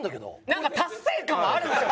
なんか達成感はあるんですよ